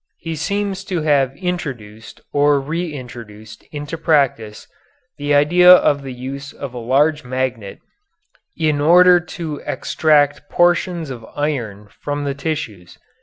He seems to have introduced or re introduced into practice the idea of the use of a large magnet in order to extract portions of iron from the tissues.